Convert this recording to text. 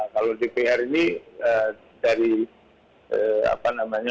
kalau dpr ini dari apa namanya